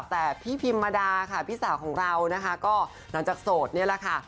แต่พี่พิมมาดาค่ะพี่สาวของเรานะคะก็หลังจากโสดนี่แหละค่ะ